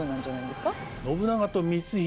信長と光秀